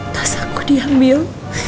tas aku diambil